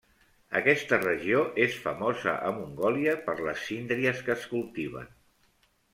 Aquesta regió és famosa a Mongòlia per les síndries que es cultiven.